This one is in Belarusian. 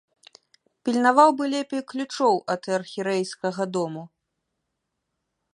Пільнаваў бы лепей ключоў ад архірэйскага дому.